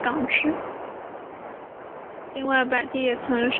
另外百济也曾设立左贤王。